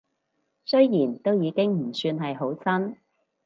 雖然都已經唔算係好新